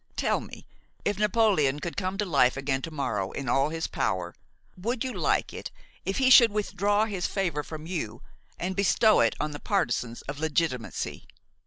Tell me, if Napoléon could come to life again to morrow in all his power, would you like it if he should withdraw his favor from you and bestow it on the partisans of legitimacy?